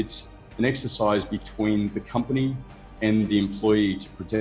ini adalah usaha antara perusahaan dan pekerja